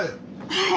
はい！